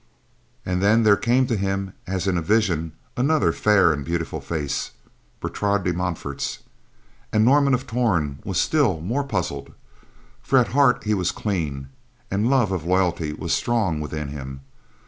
And then there came to him as in a vision another fair and beautiful face—Bertrade de Montfort's—and Norman of Torn was still more puzzled; for at heart he was clean, and love of loyalty was strong within him.